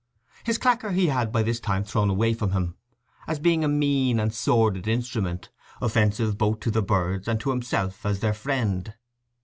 His clacker he had by this time thrown away from him, as being a mean and sordid instrument, offensive both to the birds and to himself as their friend.